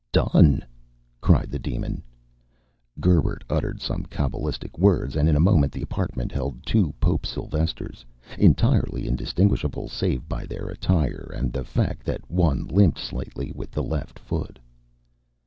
"Done!" cried the demon. Gerbert uttered some cabalistic words, and in a moment the apartment held two Pope Silvesters, entirely indistinguishable save by their attire, and the fact that one limped slightly with the left foot.